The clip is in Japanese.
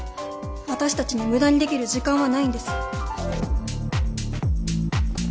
私たちに無駄にできる時間はないんです。